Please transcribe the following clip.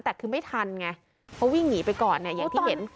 แต่คือไม่ทันไงเพราะวิ่งหนีไปก่อนเนี่ยอย่างที่เห็น